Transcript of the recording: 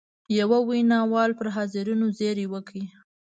یوه ویناوال پر حاضرینو زېری وکړ.